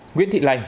nguyễn thị lành